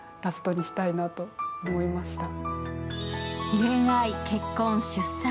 恋愛、結婚、出産。